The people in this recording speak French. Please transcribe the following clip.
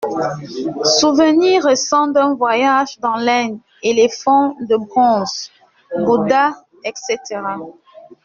Souvenirs récents d’un voyage dans l’Inde éléphants de bronze, Bouddha, etc …